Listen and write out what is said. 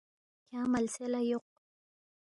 کھیانگ ملسے لہ یوق